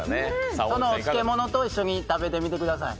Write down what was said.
お漬物と一緒に食べてみてください。